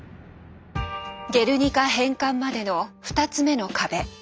「ゲルニカ」返還までの２つ目の壁